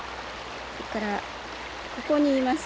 それからここにいます